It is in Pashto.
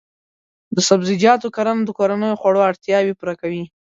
د سبزیجاتو کرنه د کورنیو خوړو اړتیاوې پوره کوي.